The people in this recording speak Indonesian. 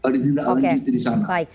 ditindaklanjut di sana